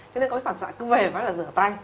cho nên có những phản xạ cứ về phải là rửa tay